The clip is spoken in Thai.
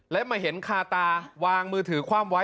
และมาเห็นคาตาวางมือถือคว่ำไว้